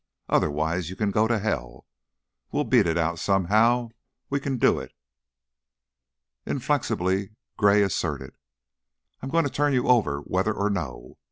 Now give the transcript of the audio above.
Otherwise, you can go to hell. We'll beat it out, somehow. We can do it." Inflexibly Gray asserted: "I'm going to turn you over, whether or no.